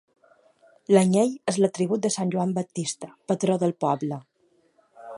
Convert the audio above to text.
L'anyell és l'atribut de sant Joan Baptista, patró del poble.